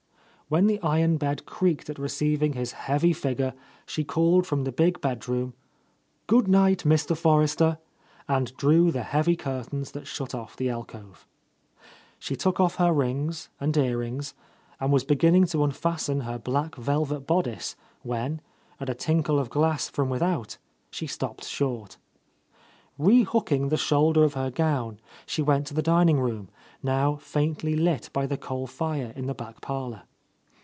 When the iron bed creaked at receiving his —58 A Lost Lady heavy figure, she called from the big bedroom, "Good night, Mr. Forrester," and drew the heavy curtains that shut off the alcove, .She took off her rings and earrings and was beginning to un fasten her black velvet bodice when, at a tinkle of glass from without, she stopped short. Re hooking the shoulder of her gown, she went to the dining room, now faintly lit by the coal fire in the back parlour.